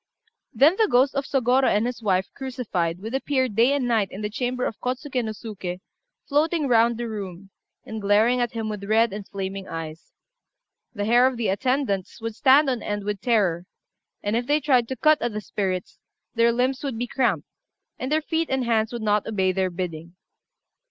Then the ghost of Sôgorô and his wife crucified would appear day and night in the chamber of Kôtsuké no Suké, floating round the room, and glaring at him with red and flaming eyes. The hair of the attendants would stand on end with terror; and if they tried to cut at the spirits, their limbs would be cramped, and their feet and hands would not obey their bidding.